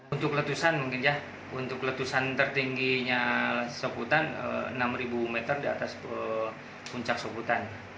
untuk letusan mungkin ya untuk letusan tertingginya soputan enam meter di atas puncak soputan